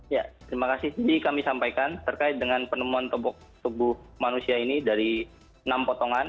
ya terima kasih jadi kami sampaikan terkait dengan penemuan tubuh manusia ini dari enam potongan